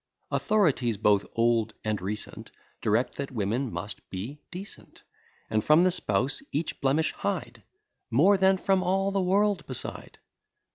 Authorities, both old and recent, Direct that women must be decent; And from the spouse each blemish hide, More than from all the world beside.